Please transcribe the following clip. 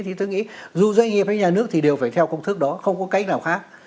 thì tôi nghĩ dù doanh nghiệp hay nhà nước thì đều phải theo công thức đó không có cách nào khác